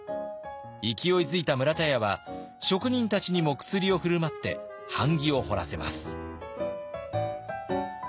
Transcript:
勢いづいた村田屋は職人たちにも薬を振る舞って版木を彫らせます。